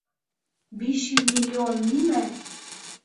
Биш йөҙ миллион нимә?